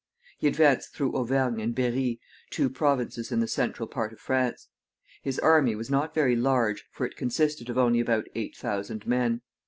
He advanced through Auvergne and Berri, two provinces in the central part of France. His army was not very large, for it consisted of only about eight thousand men.